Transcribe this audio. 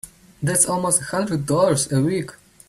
That's almost a hundred dollars a week!